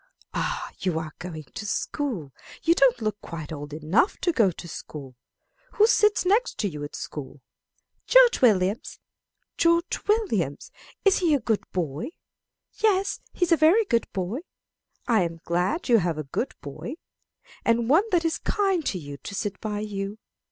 Ah! you are going to school. You don't look quite old enough to go to school. Who sits next to you at school? George Williams. George Williams? Is he a good boy? Yes, he's a very good boy. I am glad you have a good boy, and one that is kind to you, to sit by you.